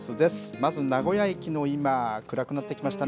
まず名古屋駅の今暗くなってきました。